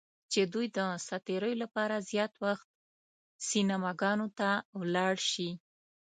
چې دوی د ساعت تیریو لپاره زیات وخت سینماګانو ته ولاړ شي.